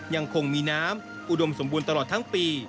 ยังคงมีน้ำอุดมสมบูรณ์ตลอดทั้งปี